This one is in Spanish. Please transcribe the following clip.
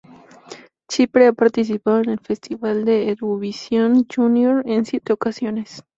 Chipre ha participado en el festival de Eurovision Junior en siete ocasiones.